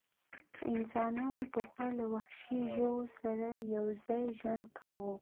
انسانانو پخوا له وحشي ژوو سره یو ځای ژوند کاوه.